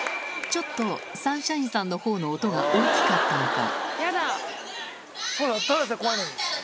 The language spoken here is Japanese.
ちょっと、サンシャインさんのほうの音が大きかったのか。